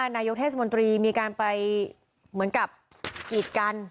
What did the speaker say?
นายกเทศมนตรีมีการไปเหมือนกับกีดกัน